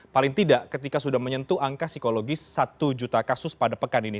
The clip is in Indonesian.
paling tidak ketika sudah menyentuh angka psikologis satu juta kasus pada pekan ini